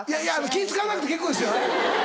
気ぃ使わなくて結構ですよ！